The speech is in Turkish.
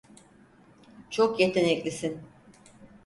Çok yeteneklisin.